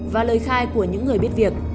và lời khai của những người biết việc